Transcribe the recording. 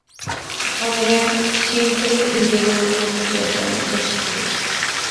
Andrea siempre integró el grupo teatral de su colegio.